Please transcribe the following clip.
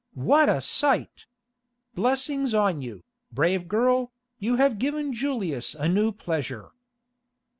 What a sight! Blessings on you, brave girl, you have given Julius a new pleasure."